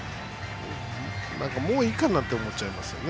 もういいかなって思っちゃいますね